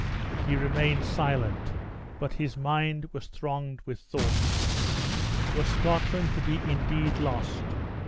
He remained silent, but his mind was thronged with thoughts. Was Scotland to be indeed lost?